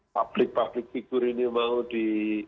pemilik pemilik figur ini mau di